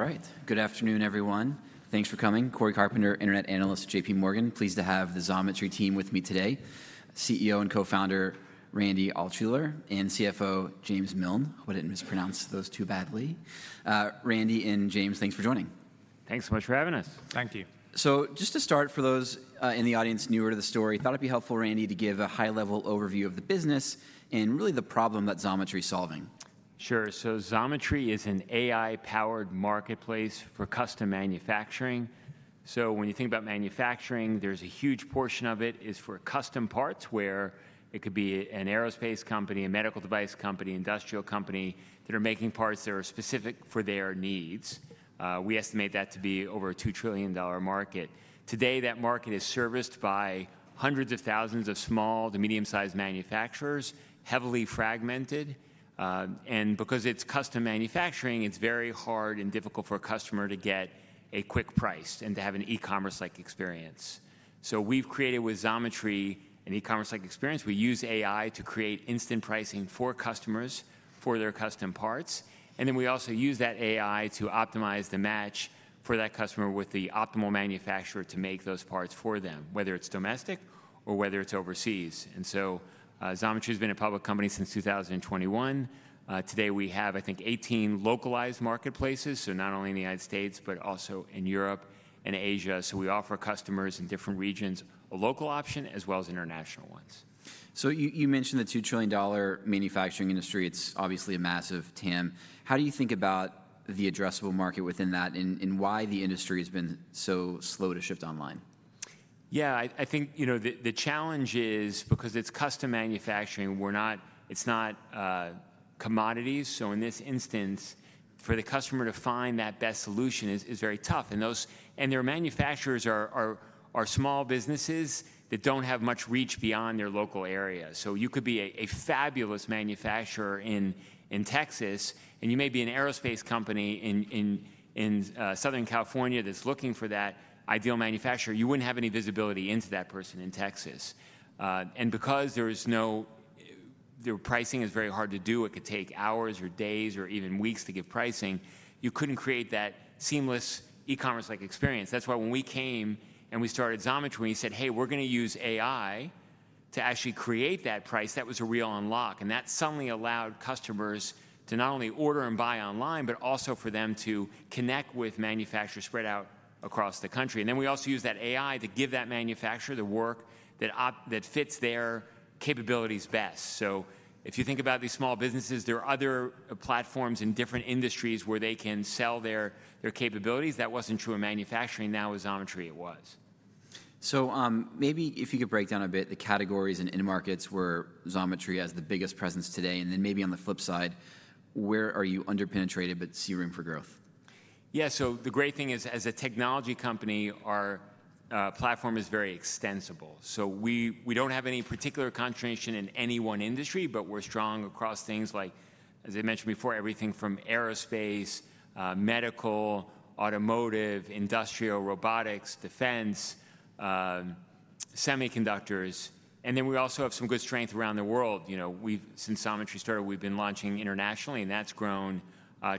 All right. Good afternoon, everyone. Thanks for coming. Cory Carpenter, Internet Analyst at JPMorgan. Pleased to have the Xometry team with me today. CEO and co-founder Randy Altschuler and CFO James Miln. I would not mispronounce those two badly. Randy and James, thanks for joining. Thanks so much for having us. Thank you. Just to start, for those in the audience newer to the story, I thought it'd be helpful, Randy, to give a high-level overview of the business and really the problem that Xometry is solving. Sure. Xometry is an AI-powered marketplace for custom manufacturing. When you think about manufacturing, a huge portion of it is for custom parts, where it could be an aerospace company, a medical device company, an industrial company that are making parts that are specific for their needs. We estimate that to be over a $2 trillion market. Today, that market is serviced by hundreds of thousands of small to medium-sized manufacturers, heavily fragmented. Because it is custom manufacturing, it is very hard and difficult for a customer to get a quick price and to have an e-commerce-like experience. We have created, with Xometry, an e-commerce-like experience. We use AI to create instant pricing for customers for their custom parts. We also use that AI to optimize the match for that customer with the optimal manufacturer to make those parts for them, whether it's domestic or whether it's overseas. Xometry has been a public company since 2021. Today, we have, I think, 18 localized marketplaces, not only in the United States, but also in Europe and Asia. We offer customers in different regions a local option as well as international ones. You mentioned the $2 trillion manufacturing industry. It's obviously a massive TAM. How do you think about the addressable market within that and why the industry has been so slow to shift online? Yeah, I think the challenge is, because it's custom manufacturing, it's not commodities. In this instance, for the customer to find that best solution is very tough. Their manufacturers are small businesses that don't have much reach beyond their local area. You could be a fabulous manufacturer in Texas, and you may be an aerospace company in Southern California that's looking for that ideal manufacturer. You wouldn't have any visibility into that person in Texas. Because their pricing is very hard to do, it could take hours or days or even weeks to give pricing, you couldn't create that seamless e-commerce-like experience. That's why when we came and we started Xometry, we said, hey, we're going to use AI to actually create that price. That was a real unlock. That suddenly allowed customers to not only order and buy online, but also for them to connect with manufacturers spread out across the country. We also use that AI to give that manufacturer the work that fits their capabilities best. If you think about these small businesses, there are other platforms in different industries where they can sell their capabilities. That was not true in manufacturing. Now with Xometry, it was. Maybe if you could break down a bit the categories and markets where Xometry has the biggest presence today, and then maybe on the flip side, where are you underpenetrated but see room for growth? Yeah, so the great thing is, as a technology company, our platform is very extensible. We do not have any particular concentration in any one industry, but we are strong across things like, as I mentioned before, everything from aerospace, medical, automotive, industrial, robotics, defense, semiconductors. We also have some good strength around the world. Since Xometry started, we have been launching internationally, and that has grown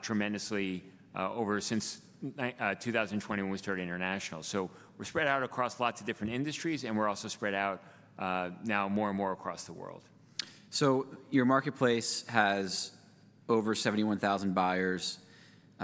tremendously over since 2020 when we started international. We are spread out across lots of different industries, and we are also spread out now more and more across the world. Your marketplace has over 71,000 buyers,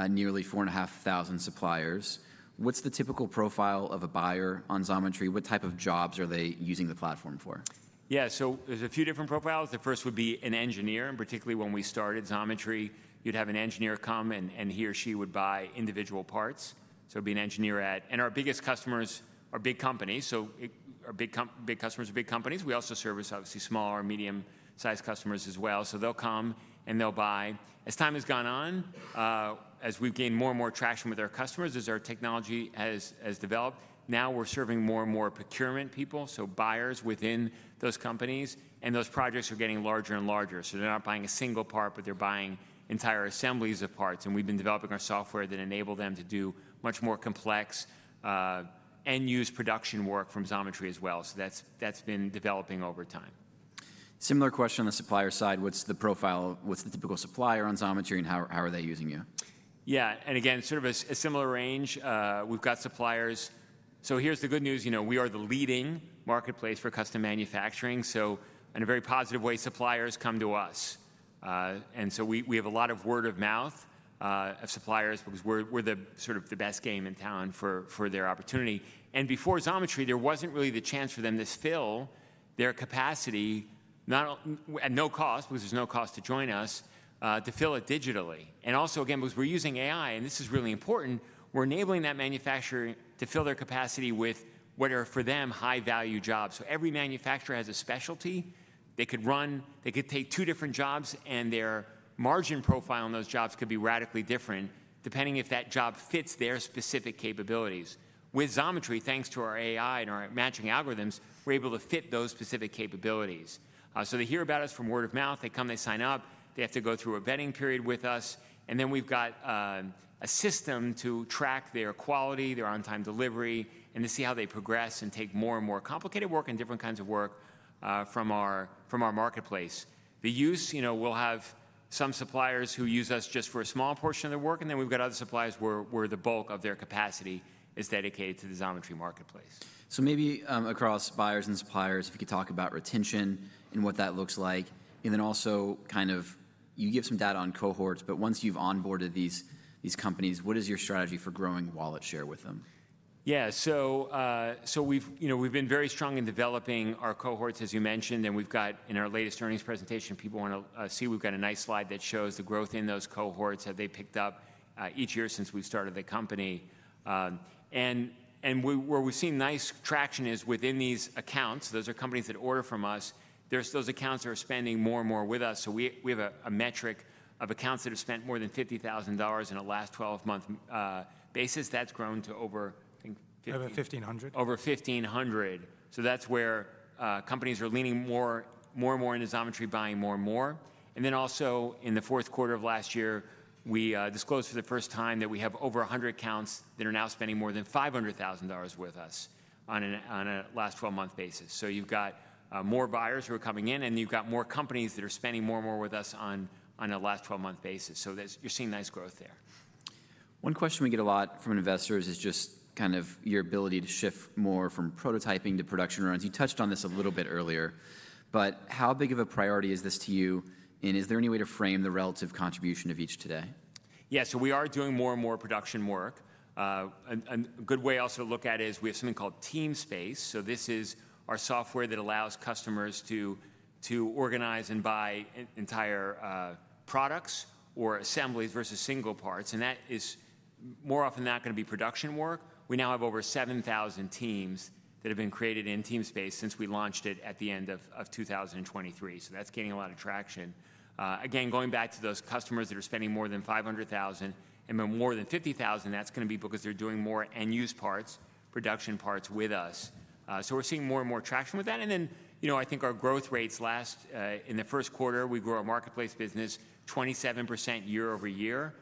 nearly 4,500 suppliers. What's the typical profile of a buyer on Xometry? What type of jobs are they using the platform for? Yeah, so there's a few different profiles. The first would be an engineer. And particularly when we started Xometry, you'd have an engineer come, and he or she would buy individual parts. It would be an engineer at, and our biggest customers are big companies. Our big customers are big companies. We also service, obviously, small or medium-sized customers as well. They'll come and they'll buy. As time has gone on, as we've gained more and more traction with our customers, as our technology has developed, now we're serving more and more procurement people, buyers within those companies. Those projects are getting larger and larger. They're not buying a single part, but they're buying entire assemblies of parts. We've been developing our software that enables them to do much more complex end-use production work from Xometry as well. That's been developing over time. Similar question on the supplier side. What's the profile? What's the typical supplier on Xometry, and how are they using you? Yeah, and again, sort of a similar range. We've got suppliers. Here's the good news. We are the leading marketplace for custom manufacturing. In a very positive way, suppliers come to us. We have a lot of word of mouth of suppliers because we're sort of the best game in town for their opportunity. Before Xometry, there wasn't really the chance for them to fill their capacity at no cost, because there's no cost to join us, to fill it digitally. Also, again, because we're using AI, and this is really important, we're enabling that manufacturer to fill their capacity with what are, for them, high-value jobs. Every manufacturer has a specialty. They could take two different jobs, and their margin profile on those jobs could be radically different depending if that job fits their specific capabilities. With Xometry, thanks to our AI and our matching algorithms, we're able to fit those specific capabilities. They hear about us from word of mouth. They come, they sign up. They have to go through a vetting period with us. We have a system to track their quality, their on-time delivery, and to see how they progress and take more and more complicated work and different kinds of work from our marketplace. We have some suppliers who use us just for a small portion of their work, and then we have other suppliers where the bulk of their capacity is dedicated to the Xometry marketplace. Maybe across buyers and suppliers, if you could talk about retention and what that looks like, and then also kind of you give some data on cohorts. But once you've onboarded these companies, what is your strategy for growing wallet share with them? Yeah, we've been very strong in developing our cohorts, as you mentioned. We've got, in our latest earnings presentation, if people want to see, we've got a nice slide that shows the growth in those cohorts that we picked up each year since we started the company. Where we've seen nice traction is within these accounts. Those are companies that order from us. There are those accounts that are spending more and more with us. We have a metric of accounts that have spent more than $50,000 in a last 12-month basis. That's grown to over, I think. Over 1,500. Over 1,500. That is where companies are leaning more and more into Xometry, buying more and more. Also, in the fourth quarter of last year, we disclosed for the first time that we have over 100 accounts that are now spending more than $500,000 with us on a last 12-month basis. You have more buyers who are coming in, and you have more companies that are spending more and more with us on a last 12-month basis. You are seeing nice growth there. One question we get a lot from investors is just kind of your ability to shift more from prototyping to production runs. You touched on this a little bit earlier, but how big of a priority is this to you? Is there any way to frame the relative contribution of each today? Yeah, so we are doing more and more production work. A good way also to look at it is we have something called Teamspace. This is our software that allows customers to organize and buy entire products or assemblies versus single parts. That is more often than not going to be production work. We now have over 7,000 teams that have been created in Teamspace since we launched it at the end of 2023. That is gaining a lot of traction. Again, going back to those customers that are spending more than $500,000 and more than $50,000, that is going to be because they are doing more end-use parts, production parts with us. We are seeing more and more traction with that. I think our growth rates last, in the first quarter, we grew our marketplace business 27% year over year.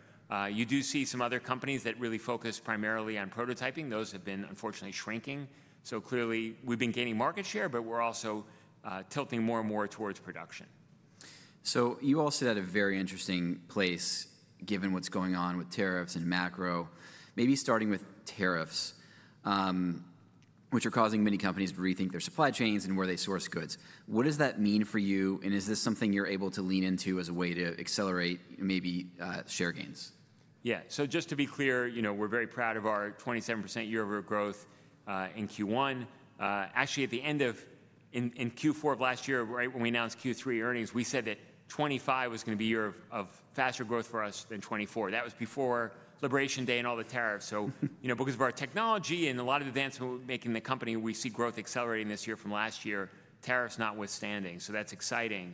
You do see some other companies that really focus primarily on prototyping. Those have been, unfortunately, shrinking. Clearly, we've been gaining market share, but we're also tilting more and more towards production. You all sit at a very interesting place given what's going on with tariffs and macro. Maybe starting with tariffs, which are causing many companies to rethink their supply chains and where they source goods. What does that mean for you? Is this something you're able to lean into as a way to accelerate maybe share gains? Yeah, so just to be clear, we're very proud of our 27% year-over-year growth in Q1. Actually, at the end of, in Q4 of last year, right when we announced Q3 earnings, we said that 2025 was going to be a year of faster growth for us than 2024. That was before Liberation Day and all the tariffs. Because of our technology and a lot of advancement we're making in the company, we see growth accelerating this year from last year, tariffs notwithstanding. That's exciting.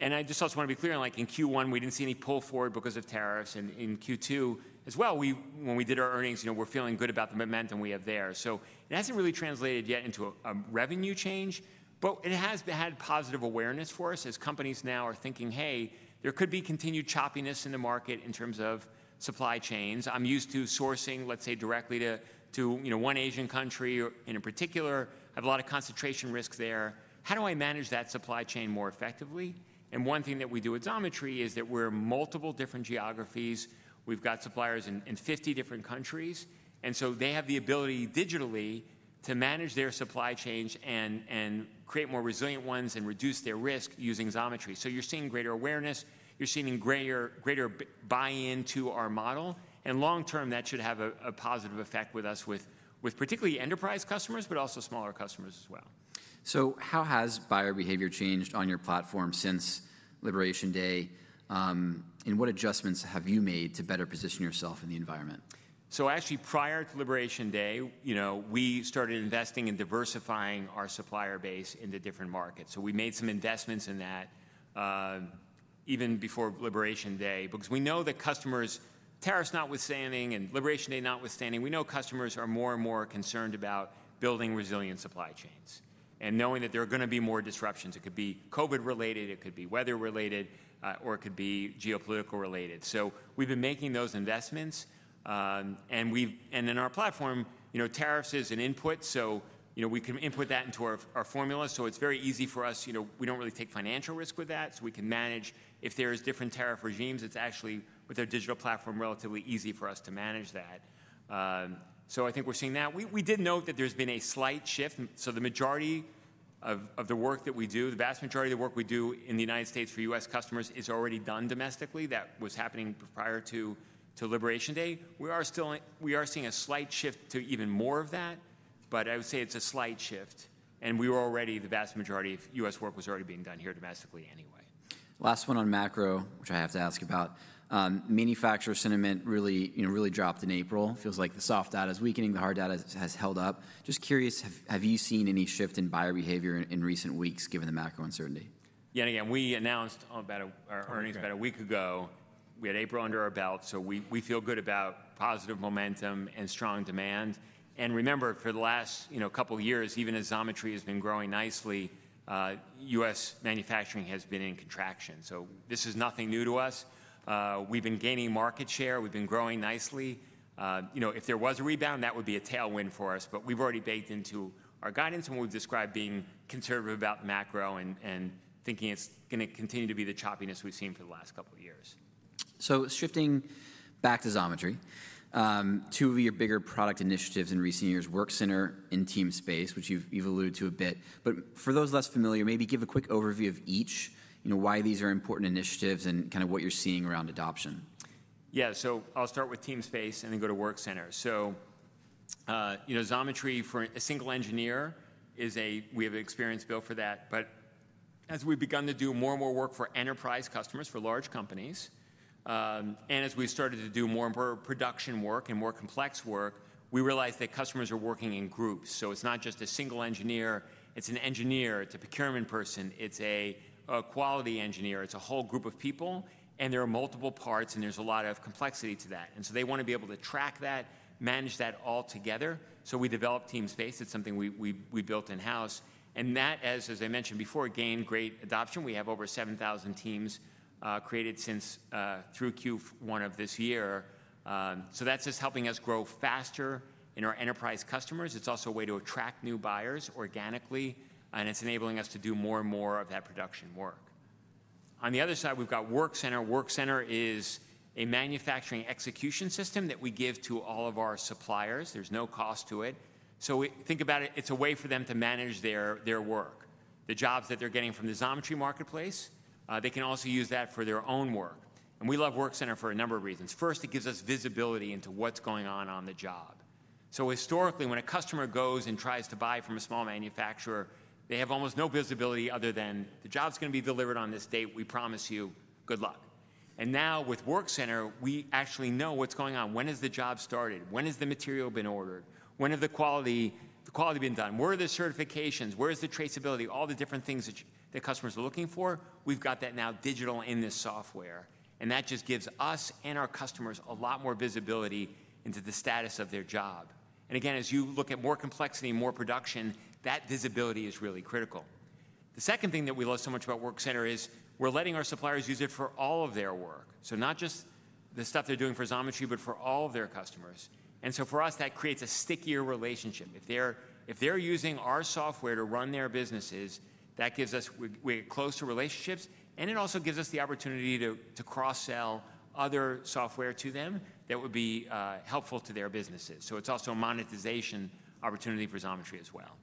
I just also want to be clear, in Q1, we didn't see any pull forward because of tariffs. In Q2 as well, when we did our earnings, we're feeling good about the momentum we have there. It hasn't really translated yet into a revenue change, but it has had positive awareness for us as companies now are thinking, hey, there could be continued choppiness in the market in terms of supply chains. I'm used to sourcing, let's say, directly to one Asian country in particular. I have a lot of concentration risk there. How do I manage that supply chain more effectively? One thing that we do at Xometry is that we're in multiple different geographies. We've got suppliers in 50 different countries. They have the ability digitally to manage their supply chains and create more resilient ones and reduce their risk using Xometry. You're seeing greater awareness. You're seeing greater buy-in to our model. Long term, that should have a positive effect with us, with particularly enterprise customers, but also smaller customers as well. How has buyer behavior changed on your platform since Liberation Day? What adjustments have you made to better position yourself in the environment? Actually, prior to Liberation Day, we started investing and diversifying our supplier base into different markets. We made some investments in that even before Liberation Day. We know that customers, tariffs notwithstanding and Liberation Day notwithstanding, are more and more concerned about building resilient supply chains and knowing that there are going to be more disruptions. It could be COVID-related, it could be weather-related, or it could be geopolitical-related. We have been making those investments. In our platform, tariffs is an input. We can input that into our formula. It is very easy for us. We do not really take financial risk with that. We can manage if there are different tariff regimes. With our digital platform, it is relatively easy for us to manage that. I think we are seeing that. We did note that there has been a slight shift. The majority of the work that we do, the vast majority of the work we do in the U.S. for U.S. customers is already done domestically. That was happening prior to Liberation Day. We are seeing a slight shift to even more of that, but I would say it's a slight shift. We were already, the vast majority of U.S. work was already being done here domestically anyway. Last one on macro, which I have to ask about. Manufacturer sentiment really dropped in April. Feels like the soft data is weakening. The hard data has held up. Just curious, have you seen any shift in buyer behavior in recent weeks given the macro uncertainty? Yeah, again, we announced our earnings about a week ago. We had April under our belt. We feel good about positive momentum and strong demand. Remember, for the last couple of years, even as Xometry has been growing nicely, U.S. manufacturing has been in contraction. This is nothing new to us. We have been gaining market share. We have been growing nicely. If there was a rebound, that would be a tailwind for us. We have already baked into our guidance and what we have described being conservative about macro and thinking it is going to continue to be the choppiness we have seen for the last couple of years. Shifting back to Xometry, two of your bigger product initiatives in recent years, WorkCenter and Teamspace, which you've alluded to a bit. For those less familiar, maybe give a quick overview of each, why these are important initiatives and kind of what you're seeing around adoption. Yeah, I'll start with Teamspace and then go to WorkCenter. Xometry, for a single engineer, we have experience built for that. As we've begun to do more and more work for enterprise customers, for large companies, and as we've started to do more and more production work and more complex work, we realize that customers are working in groups. It's not just a single engineer. It's an engineer, it's a procurement person, it's a quality engineer, it's a whole group of people. There are multiple parts, and there's a lot of complexity to that. They want to be able to track that, manage that all together. We developed Teamspace. It's something we built in-house. As I mentioned before, it gained great adoption. We have over 7,000 teams created through Q1 of this year. That is just helping us grow faster in our enterprise customers. It is also a way to attract new buyers organically. It is enabling us to do more and more of that production work. On the other side, we have WorkCenter. WorkCenter is a manufacturing execution system that we give to all of our suppliers. There is no cost to it. Think about it. It is a way for them to manage their work, the jobs that they are getting from the Xometry marketplace. They can also use that for their own work. We love WorkCenter for a number of reasons. First, it gives us visibility into what is going on on the job. Historically, when a customer goes and tries to buy from a small manufacturer, they have almost no visibility other than the job is going to be delivered on this date. We promise you good luck. Now with WorkCenter, we actually know what's going on. When has the job started? When has the material been ordered? When has the quality been done? Where are the certifications? Where is the traceability? All the different things that customers are looking for, we've got that now digital in this software. That just gives us and our customers a lot more visibility into the status of their job. Again, as you look at more complexity and more production, that visibility is really critical. The second thing that we love so much about WorkCenter is we're letting our suppliers use it for all of their work. Not just the stuff they're doing for Xometry, but for all of their customers. For us, that creates a stickier relationship. If they're using our software to run their businesses, that gives us close relationships. It also gives us the opportunity to cross-sell other software to them that would be helpful to their businesses. It is also a monetization opportunity for Xometry as well.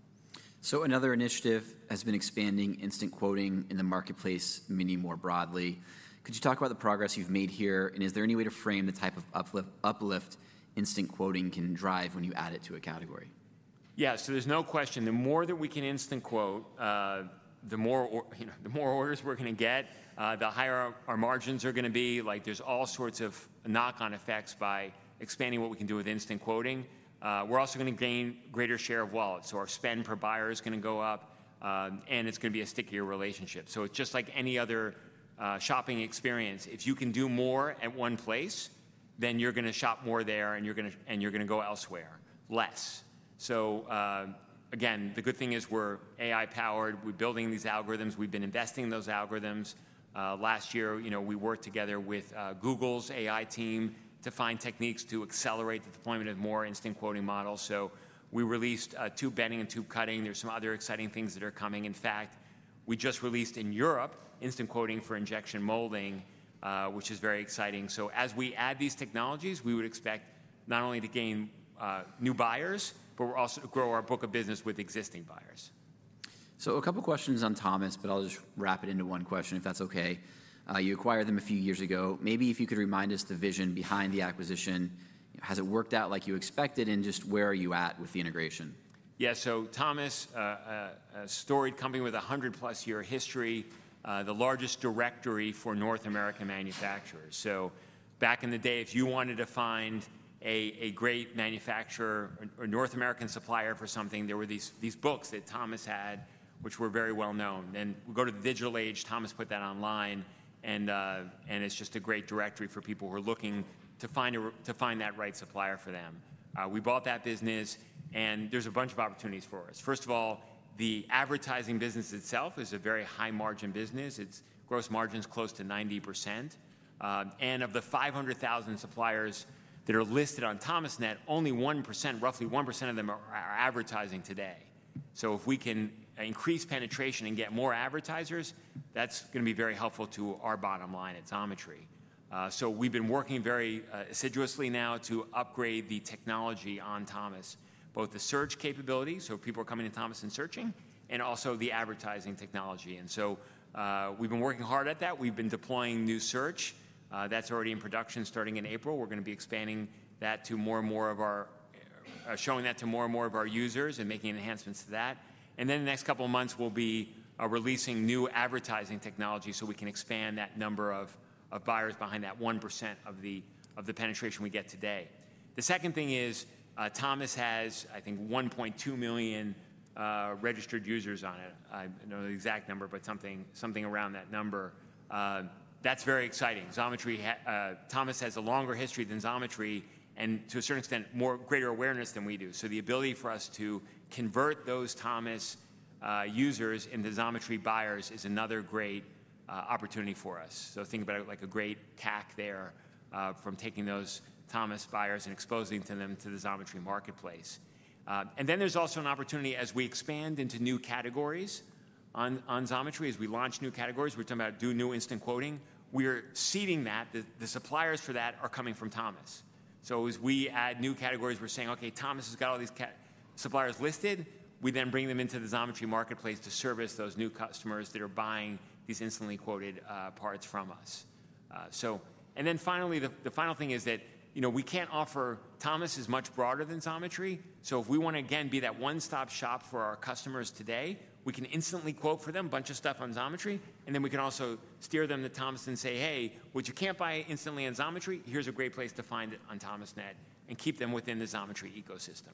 Another initiative has been expanding instant quoting in the marketplace much more broadly. Could you talk about the progress you've made here? Is there any way to frame the type of uplift instant quoting can drive when you add it to a category? Yeah, so there's no question. The more that we can instant quote, the more orders we're going to get, the higher our margins are going to be. There's all sorts of knock-on effects by expanding what we can do with instant quoting. We're also going to gain greater share of wallets. So our spend per buyer is going to go up, and it's going to be a stickier relationship. It's just like any other shopping experience. If you can do more at one place, then you're going to shop more there, and you're going to go elsewhere less. Again, the good thing is we're AI-powered. We're building these algorithms. We've been investing in those algorithms. Last year, we worked together with Google's AI team to find techniques to accelerate the deployment of more instant quoting models. We released tube bending and tube cutting. There's some other exciting things that are coming. In fact, we just released in Europe instant quoting for injection molding, which is very exciting. As we add these technologies, we would expect not only to gain new buyers, but we're also to grow our book of business with existing buyers. A couple of questions on Thomas, but I'll just wrap it into one question if that's okay. You acquired them a few years ago. Maybe if you could remind us the vision behind the acquisition. Has it worked out like you expected? Just where are you at with the integration? Yeah, so Thomas, a storied company with a 100-plus year history, the largest directory for North American manufacturers. Back in the day, if you wanted to find a great manufacturer or North American supplier for something, there were these books that Thomas had, which were very well known. We go to the digital age. Thomas put that online. It is just a great directory for people who are looking to find that right supplier for them. We bought that business, and there is a bunch of opportunities for us. First of all, the advertising business itself is a very high-margin business. Its gross margin is close to 90%. Of the 500,000 suppliers that are listed on Thomasnet, only 1%, roughly 1% of them are advertising today. If we can increase penetration and get more advertisers, that is going to be very helpful to our bottom line at Xometry. We have been working very assiduously now to upgrade the technology on Thomas, both the search capability, so people are coming to Thomas and searching, and also the advertising technology. We have been working hard at that. We have been deploying new search. That is already in production starting in April. We are going to be expanding that to more and more of our users and making enhancements to that. In the next couple of months, we will be releasing new advertising technology so we can expand that number of buyers behind that 1% of the penetration we get today. The second thing is Thomas has, I think, 1.2 million registered users on it. I do not know the exact number, but something around that number. That is very exciting. Thomas has a longer history than Xometry and, to a certain extent, greater awareness than we do. The ability for us to convert those Thomas users into Xometry buyers is another great opportunity for us. Think about it like a great tack there from taking those Thomas buyers and exposing them to the Xometry marketplace. There is also an opportunity as we expand into new categories on Xometry. As we launch new categories, we are talking about doing new instant quoting. We are seeding that. The suppliers for that are coming from Thomas. As we add new categories, we are saying, okay, Thomas has got all these suppliers listed. We then bring them into the Xometry marketplace to service those new customers that are buying these instantly quoted parts from us. Finally, the final thing is that we cannot offer Thomas as much broader than Xometry. If we want to, again, be that one-stop shop for our customers today, we can instantly quote for them a bunch of stuff on Xometry. Then we can also steer them to Thomas and say, hey, what you cannot buy instantly on Xometry, here is a great place to find it on Thomasnet and keep them within the Xometry ecosystem.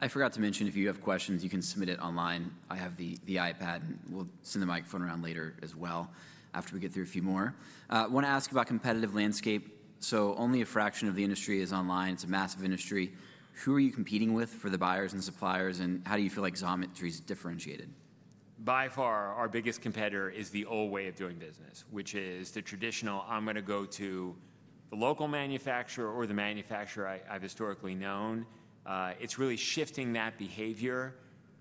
I forgot to mention, if you have questions, you can submit it online. I have the iPad, and we'll send the microphone around later as well after we get through a few more. I want to ask about competitive landscape. Only a fraction of the industry is online. It's a massive industry. Who are you competing with for the buyers and suppliers? How do you feel like Xometry is differentiated? By far, our biggest competitor is the old way of doing business, which is the traditional, I'm going to go to the local manufacturer or the manufacturer I've historically known. It's really shifting that behavior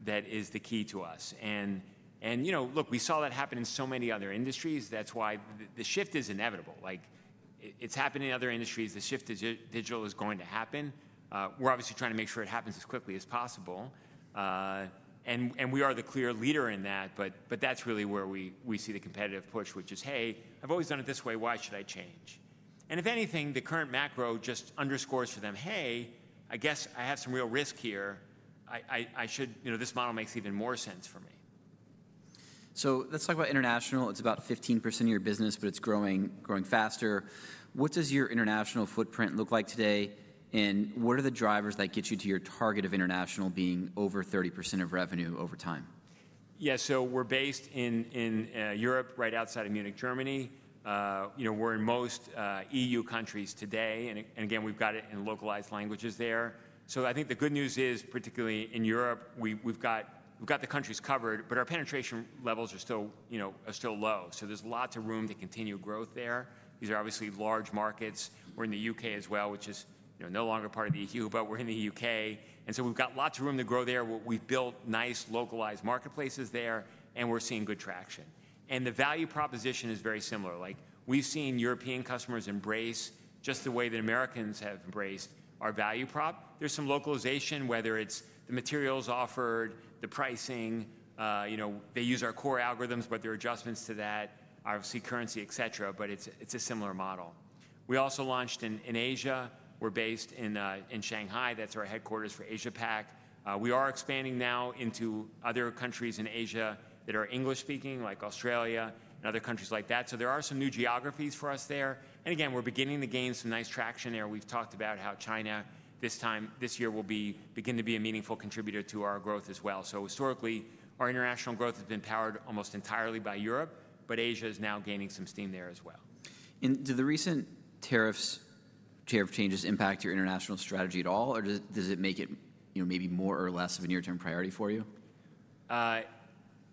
that is the key to us. Look, we saw that happen in so many other industries. That's why the shift is inevitable. It's happened in other industries. The shift to digital is going to happen. We're obviously trying to make sure it happens as quickly as possible. We are the clear leader in that. That's really where we see the competitive push, which is, hey, I've always done it this way. Why should I change? If anything, the current macro just underscores for them, hey, I guess I have some real risk here. This model makes even more sense for me. Let's talk about international. It's about 15% of your business, but it's growing faster. What does your international footprint look like today? What are the drivers that get you to your target of international being over 30% of revenue over time? Yeah, so we're based in Europe, right outside of Munich, Germany. We're in most EU countries today. Again, we've got it in localized languages there. I think the good news is, particularly in Europe, we've got the countries covered, but our penetration levels are still low. There's lots of room to continue growth there. These are obviously large markets. We're in the U.K. as well, which is no longer part of the EU, but we're in the U.K. We've got lots of room to grow there. We've built nice localized marketplaces there, and we're seeing good traction. The value proposition is very similar. We've seen European customers embrace just the way that Americans have embraced our value prop. There's some localization, whether it's the materials offered, the pricing. They use our core algorithms, but there are adjustments to that, obviously currency, et cetera. It's a similar model. We also launched in Asia. We're based in Shanghai. That's our headquarters for AsiaPac. We are expanding now into other countries in Asia that are English-speaking, like Australia and other countries like that. There are some new geographies for us there. Again, we're beginning to gain some nice traction there. We've talked about how China this year will begin to be a meaningful contributor to our growth as well. Historically, our international growth has been powered almost entirely by Europe, but Asia is now gaining some steam there as well. Do the recent tariffs changes impact your international strategy at all? Or does it make it maybe more or less of a near-term priority for you?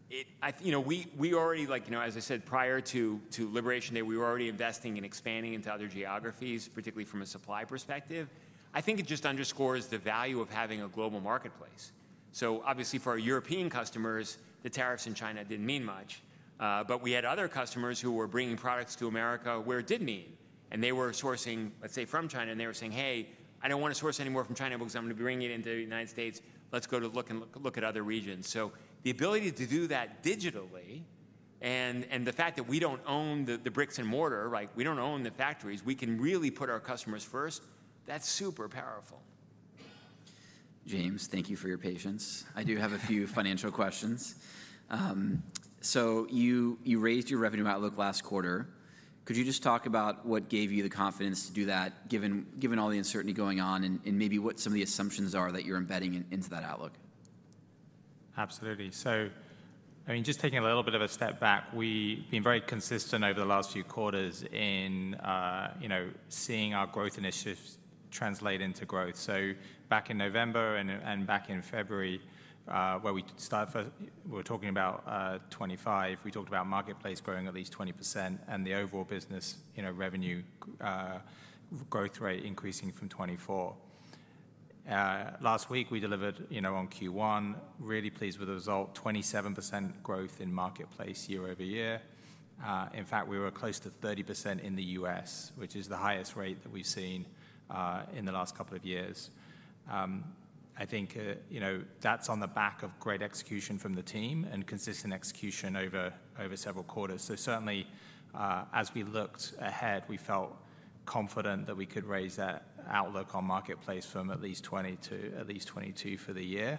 We already, as I said, prior to Liberation Day, we were already investing and expanding into other geographies, particularly from a supply perspective. I think it just underscores the value of having a global marketplace. Obviously, for our European customers, the tariffs in China didn't mean much. We had other customers who were bringing products to America where it did mean. They were sourcing, let's say, from China. They were saying, hey, I don't want to source anymore from China because I'm going to be bringing it into the United States. Let's go to look at other regions. The ability to do that digitally and the fact that we don't own the bricks and mortar, we don't own the factories, we can really put our customers first, that's super powerful. James, thank you for your patience. I do have a few financial questions. You raised your revenue outlook last quarter. Could you just talk about what gave you the confidence to do that, given all the uncertainty going on and maybe what some of the assumptions are that you're embedding into that outlook? Absolutely. I mean, just taking a little bit of a step back, we've been very consistent over the last few quarters in seeing our growth initiatives translate into growth. Back in November and back in February, where we were talking about 2025, we talked about marketplace growing at least 20% and the overall business revenue growth rate increasing from 2024. Last week, we delivered on Q1. Really pleased with the result, 27% growth in marketplace year over year. In fact, we were close to 30% in the U.S., which is the highest rate that we've seen in the last couple of years. I think that's on the back of great execution from the team and consistent execution over several quarters. Certainly, as we looked ahead, we felt confident that we could raise that outlook on marketplace from at least 20% to at least 22% for the year.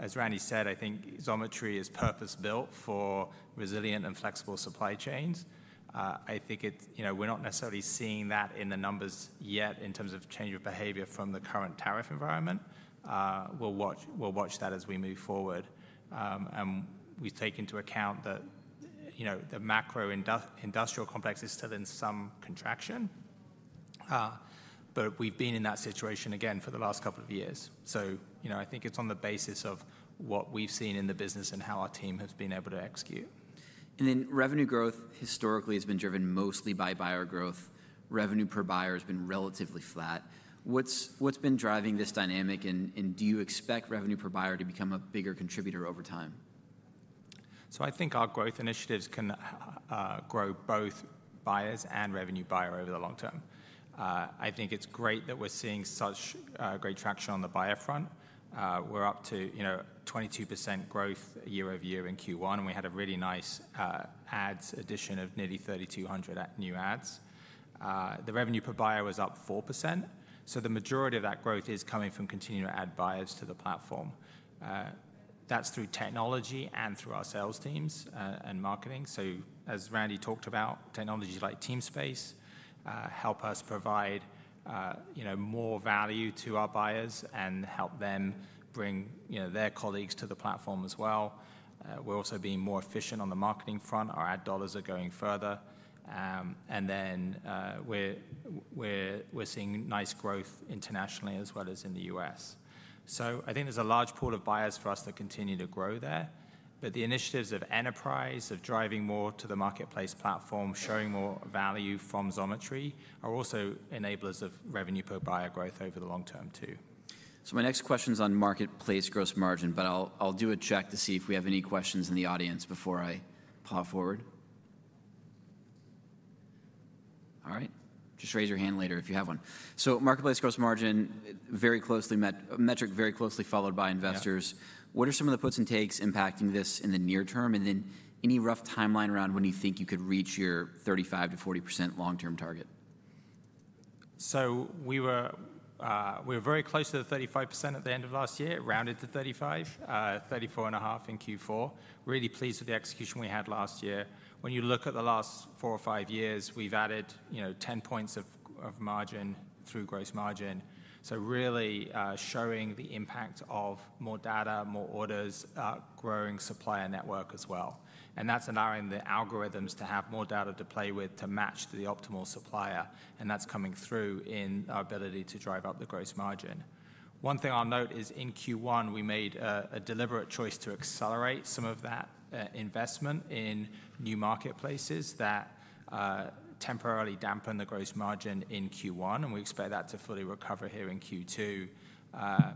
As Randy said, I think Xometry is purpose-built for resilient and flexible supply chains. I think we're not necessarily seeing that in the numbers yet in terms of change of behavior from the current tariff environment. We will watch that as we move forward. We take into account that the macro industrial complex is still in some contraction. We have been in that situation again for the last couple of years. I think it's on the basis of what we've seen in the business and how our team has been able to execute. Revenue growth historically has been driven mostly by buyer growth. Revenue per buyer has been relatively flat. What has been driving this dynamic? Do you expect revenue per buyer to become a bigger contributor over time? I think our growth initiatives can grow both buyers and revenue per buyer over the long term. I think it's great that we're seeing such great traction on the buyer front. We're up to 22% growth year over year in Q1. We had a really nice addition of nearly 3,200 new ads. The revenue per buyer was up 4%. The majority of that growth is coming from continuing to add buyers to the platform. That's through technology and through our sales teams and marketing. As Randy talked about, technologies like Teamspace help us provide more value to our buyers and help them bring their colleagues to the platform as well. We're also being more efficient on the marketing front. Our ad dollars are going further. We're seeing nice growth internationally as well as in the U.S.. I think there's a large pool of buyers for us that continue to grow there. The initiatives of enterprise, of driving more to the marketplace platform, showing more value from Xometry are also enablers of revenue per buyer growth over the long term too. My next question is on marketplace gross margin, but I'll do a check to see if we have any questions in the audience before I pull forward. All right. Just raise your hand later if you have one. Marketplace gross margin, metric very closely followed by investors. What are some of the puts and takes impacting this in the near term? Any rough timeline around when you think you could reach your 35%-40% long-term target? We were very close to the 35% at the end of last year, rounded to 35%, 34.5% in Q4. Really pleased with the execution we had last year. When you look at the last four or five years, we've added 10 points of margin through gross margin. Really showing the impact of more data, more orders, growing supplier network as well. That's allowing the algorithms to have more data to play with to match the optimal supplier. That's coming through in our ability to drive up the gross margin. One thing I'll note is in Q1, we made a deliberate choice to accelerate some of that investment in new marketplaces that temporarily dampen the gross margin in Q1. We expect that to fully recover here in Q2,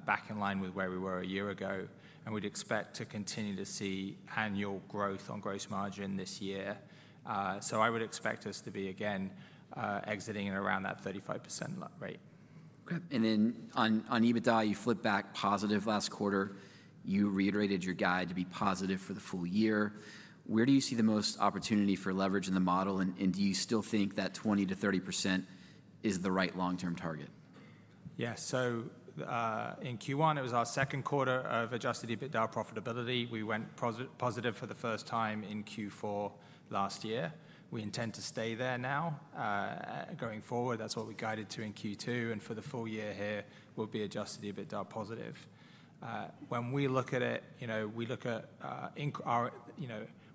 back in line with where we were a year ago. We'd expect to continue to see annual growth on gross margin this year. I would expect us to be again exiting at around that 35% rate. On EBITDA, you flipped back positive last quarter. You reiterated your guide to be positive for the full year. Where do you see the most opportunity for leverage in the model? Do you still think that 20%-30% is the right long-term target? Yeah. In Q1, it was our second quarter of adjusted EBITDA profitability. We went positive for the first time in Q4 last year. We intend to stay there now going forward. That is what we guided to in Q2. For the full year here, we will be adjusted EBITDA positive. When we look at it, we look at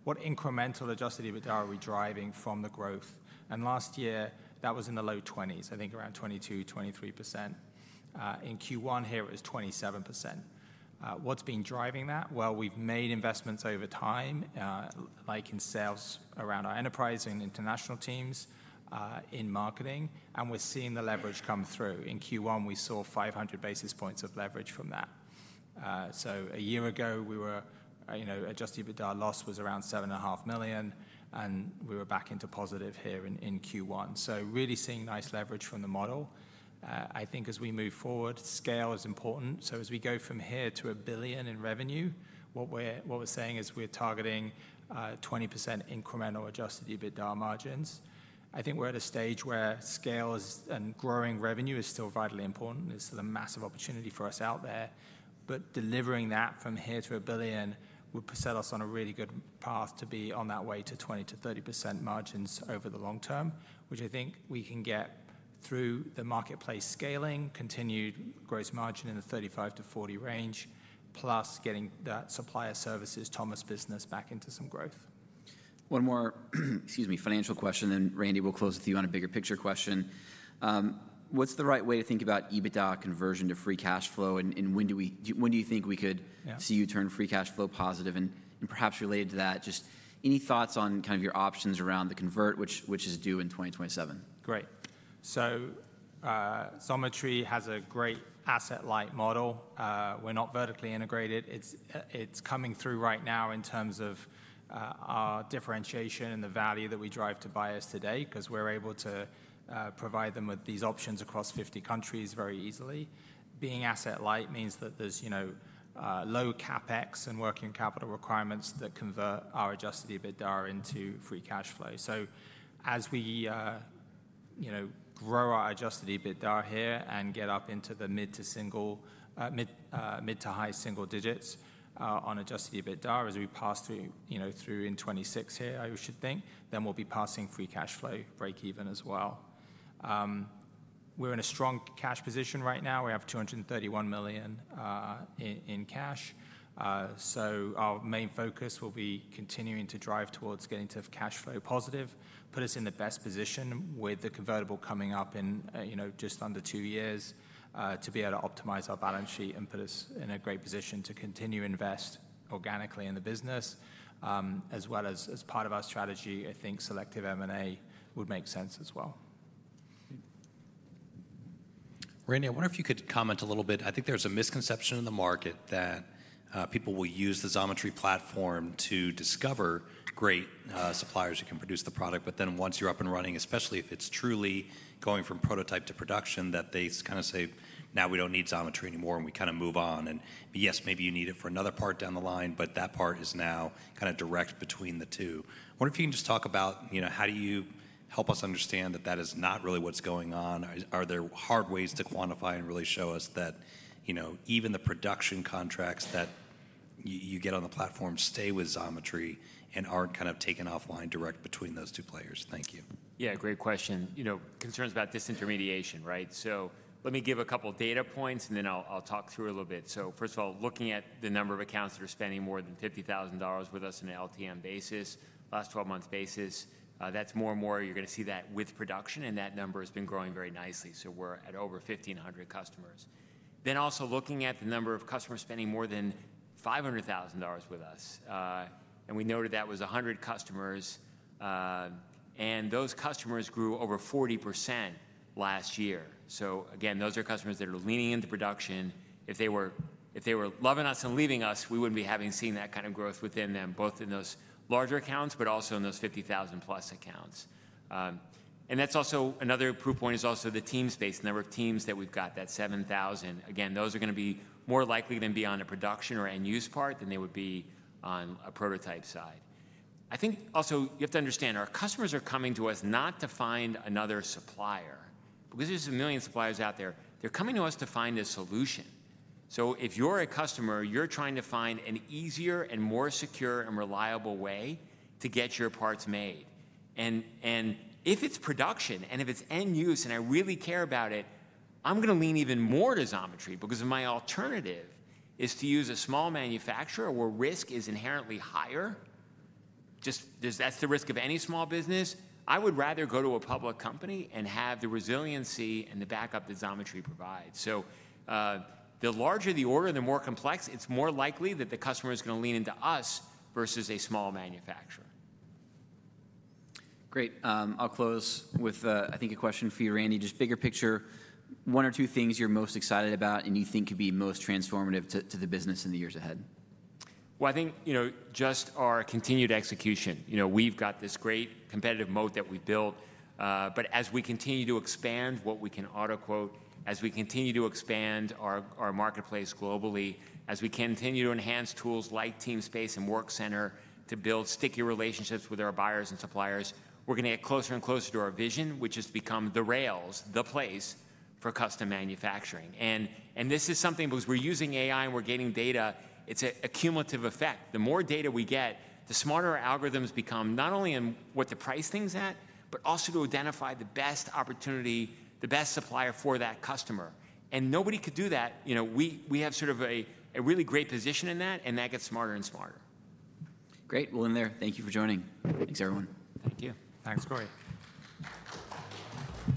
what incremental adjusted EBITDA are we driving from the growth. Last year, that was in the low 20s, I think around 22%-23%. In Q1 here, it was 27%. What has been driving that? We have made investments over time, like in sales around our enterprise and international teams, in marketing. We are seeing the leverage come through. In Q1, we saw 500 basis points of leverage from that. A year ago, our adjusted EBITDA loss was around $7.5 million. We were back into positive here in Q1. Really seeing nice leverage from the model. I think as we move forward, scale is important. As we go from here to $1 billion in revenue, what we're saying is we're targeting 20% incremental adjusted EBITDA margins. I think we're at a stage where scale and growing revenue is still vitally important. It's still a massive opportunity for us out there. Delivering that from here to $1 billion would set us on a really good path to be on that way to 20%-30% margins over the long term, which I think we can get through the marketplace scaling, continued gross margin in the 35%-40% range, plus getting that supplier services Thomas business back into some growth. One more, excuse me, financial question. Randy, we'll close with you on a bigger picture question. What's the right way to think about EBITDA conversion to free cash flow? When do you think we could see you turn free cash flow positive? Perhaps related to that, just any thoughts on kind of your options around the convert, which is due in 2027? Great. Xometry has a great asset-light model. We're not vertically integrated. It's coming through right now in terms of our differentiation and the value that we drive to buyers today because we're able to provide them with these options across 50 countries very easily. Being asset-light means that there's low CapEx and working capital requirements that convert our adjusted EBITDA into free cash flow. As we grow our adjusted EBITDA here and get up into the mid to high single digits on adjusted EBITDA as we pass through in 2026 here, I should think, then we'll be passing free cash flow break-even as well. We're in a strong cash position right now. We have $231 million in cash. Our main focus will be continuing to drive towards getting to cash flow positive, put us in the best position with the convertible coming up in just under two years to be able to optimize our balance sheet and put us in a great position to continue to invest organically in the business. As well as part of our strategy, I think selective M&A would make sense as well. Randy, I wonder if you could comment a little bit. I think there's a misconception in the market that people will use the Xometry platform to discover great suppliers who can produce the product. Once you're up and running, especially if it's truly going from prototype to production, that they kind of say, "Now we don't need Xometry anymore," and we kind of move on. Yes, maybe you need it for another part down the line, but that part is now kind of direct between the two. I wonder if you can just talk about how do you help us understand that that is not really what's going on? Are there hard ways to quantify and really show us that even the production contracts that you get on the platform stay with Xometry and aren't kind of taken offline direct between those two players? Thank you. Yeah, great question. Concerns about disintermediation, right? Let me give a couple of data points and then I'll talk through a little bit. First of all, looking at the number of accounts that are spending more than $50,000 with us on an LTM basis, last 12-month basis, that's more and more you're going to see that with production. That number has been growing very nicely. We're at over 1,500 customers. Also looking at the number of customers spending more than $500,000 with us. We noted that was 100 customers. Those customers grew over 40% last year. Again, those are customers that are leaning into production. If they were loving us and leaving us, we wouldn't be having seen that kind of growth within them, both in those larger accounts, but also in those $50,000-plus accounts. That is also another proof point, the Teamspace, the number of teams that we've got, that 7,000. Again, those are going to be more likely to be on a production or end-use part than they would be on a prototype side. I think also you have to understand our customers are coming to us not to find another supplier. Because there are a million suppliers out there, they're coming to us to find a solution. If you're a customer, you're trying to find an easier and more secure and reliable way to get your parts made. If it's production and if it's end-use and I really care about it, I'm going to lean even more to Xometry because my alternative is to use a small manufacturer where risk is inherently higher. That is just the risk of any small business. I would rather go to a public company and have the resiliency and the backup that Xometry provides. The larger the order and the more complex, it's more likely that the customer is going to lean into us versus a small manufacturer. Great. I'll close with, I think, a question for you, Randy. Just bigger picture, one or two things you're most excited about and you think could be most transformative to the business in the years ahead. I think just our continued execution. We have got this great competitive moat that we built. As we continue to expand what we can autoquote, as we continue to expand our marketplace globally, as we continue to enhance tools like Teamspace and WorkCenter to build sticky relationships with our buyers and suppliers, we are going to get closer and closer to our vision, which has become the rails, the place for custom manufacturing. This is something because we are using AI and we are getting data, it is a cumulative effect. The more data we get, the smarter our algorithms become not only in what the price thing's at, but also to identify the best opportunity, the best supplier for that customer. Nobody could do that. We have sort of a really great position in that, and that gets smarter and smarter. Great. In there, thank you for joining. Thanks, everyone. Thank you. Thanks, Corey.